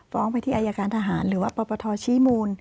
ไปที่อายการทหารหรือว่าปปทชี้มูล